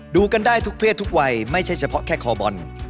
ดูกันได้ทุกเพศทุกวัยไม่ใช่เฉพาะแค่คอบอล